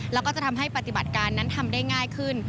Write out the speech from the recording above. แล้วก็จะทำให้ปฏิบัติการนั้นทำได้ง่ายขึ้น